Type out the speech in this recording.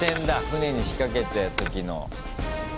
船に仕掛けた時の。